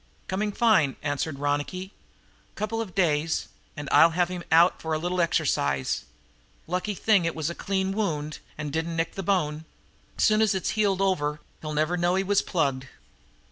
"Coming fine," answered Ronicky. "Couple of days and I'll have him out for a little exercise. Lucky thing it was a clean wound and didn't nick the bone. Soon as it's healed over he'll never know he was plugged."